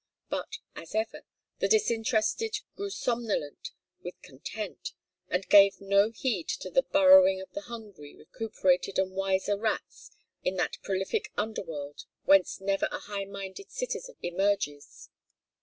But, as ever, the disinterested grew somnolent with content, and gave no heed to the burrowing of the hungry recuperated and wiser rats in that prolific underworld whence never a high minded citizen emerges.